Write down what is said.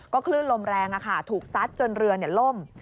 คลื่นลมแรงถูกซัดจนเรือล่ม